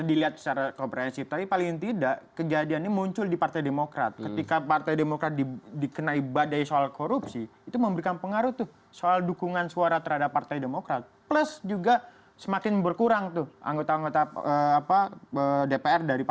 daripada kita defensive mengatakan tidak tidak begini